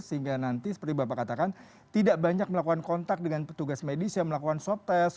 sehingga nanti seperti bapak katakan tidak banyak melakukan kontak dengan petugas medis yang melakukan swab test